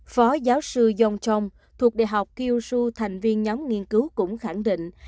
phó giáo sư yong chong thuộc đại học kyushu thành viên nhóm nghiên cứu cũng khẳng định